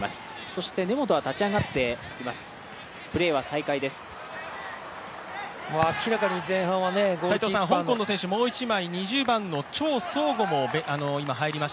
そして、根本は立ち上がっています